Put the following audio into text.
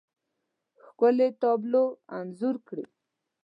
ښکلې، تابلو انځور کړي